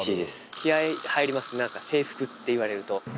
気合入ります、なんか制服っていわれると。